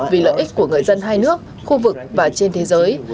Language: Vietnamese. vì lợi ích của người dân hai nước khu vực và trên thế giới